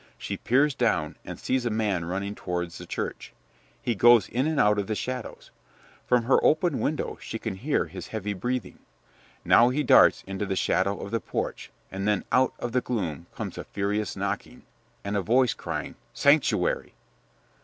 She peers down, and sees a man running towards the church; he goes in and out of the shadows. From her open window she can hear his heavy breathing. Now he darts into the shadow of the porch, and then out of the gloom comes a furious knocking, and a voice crying, 'Sanctuary!'